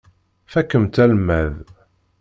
Fakkemt almad.